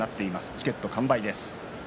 チケット完売です。